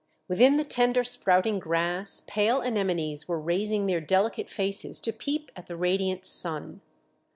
Within the tender sprouting grass pale anemones were raising their delicate faces to peep at the radiant sun.